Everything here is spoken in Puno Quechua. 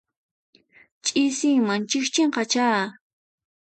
Ch'isiman chikchinqachá.